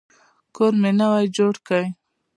کور مي نوی جوړ کی.